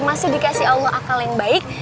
masih dikasih allah akal yang baik